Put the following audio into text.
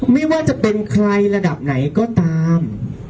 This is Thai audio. ไม่ว่าจะเป็นใครระดับไหนก็ตาม